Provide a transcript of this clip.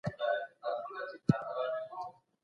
حکومتونه څنګه نړیوال قانون عملي کوي؟